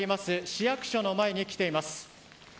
市役所の前に来ています。